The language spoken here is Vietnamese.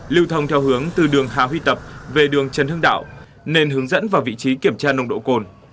lưu thông theo hướng từ đường hà huy tập về đường trần hưng đạo nên hướng dẫn vào vị trí kiểm tra nồng độ cồn